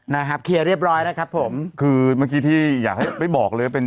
นะครับเคลียร์เรียบร้อยนะครับผมคือเมื่อกี้ที่อยากให้ไปบอกเลยว่าเป็น